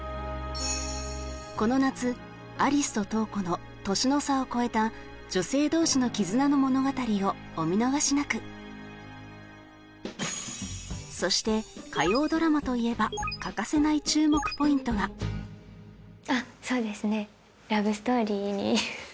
この夏有栖と瞳子の年の差を超えた女性同士の絆の物語をお見逃しなくそして火曜ドラマといえば欠かせない注目ポイントがあっそうですね